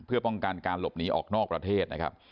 เพื่อป้องกันการหลบหนีออกนอกประเทศนะครับ